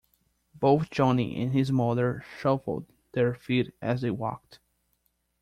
Both Johnny and his mother shuffled their feet as they walked.